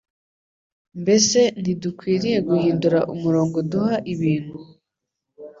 Mbese ntidukwiriye guhindura umurongo duha ibintu?